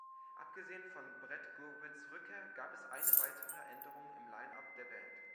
Abgesehen von Brett Gurewitz' Rückkehr gab es eine weitere Änderung im Line-up der Band.